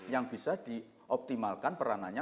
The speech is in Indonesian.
yang bisa dioptimalkan perananya